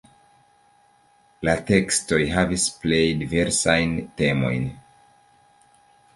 La tekstoj havis plej diversajn temojn.